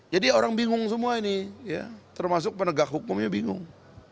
jadi orang bingung semua ini ya termasuk penegak hukumnya bingung